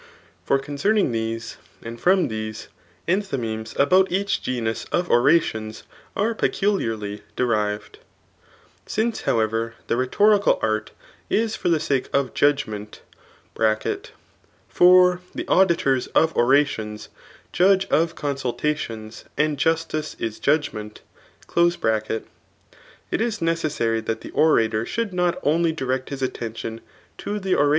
For concerning these^duid from thes^ enthy memea about each genus of orations are peculiarly <fe rived* Skice> however, the rhetorical art b for the sake, of jtt^ment (for [the auditors of orations^ judge of con* sultadoQS, and justice is judgment) it is necessary that the orator should not only direct his attention to the era.